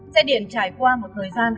xe điện trải qua một thời gian